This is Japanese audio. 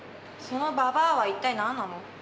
そのババアは一体何なの？